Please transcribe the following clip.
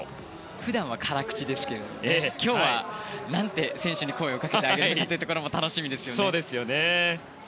普段は辛口ですが今日は、何て選手に声をかけてあげるかが楽しみですよね。